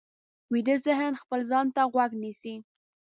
ویده ذهن خپل ځان ته غوږ نیسي